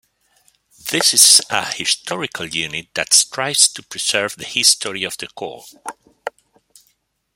This is a historical unit that strives to preserve the history of the Corps.